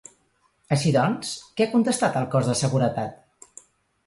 Així doncs, què ha contestat el cos de seguretat?